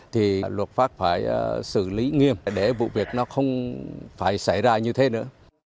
thì luật pháp phải xử lý nghiêm để vụ việc nó không phải xảy ra như thế nữa